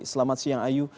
selamat siang ayu